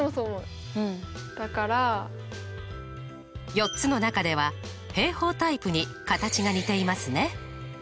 ４つの中では平方タイプに形が似ていますね。